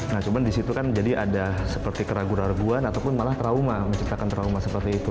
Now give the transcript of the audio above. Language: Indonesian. nah cuman disitu kan jadi ada seperti keraguan keraguan ataupun malah trauma menciptakan trauma seperti itu